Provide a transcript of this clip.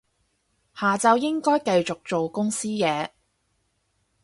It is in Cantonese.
下晝應該繼續做公司嘢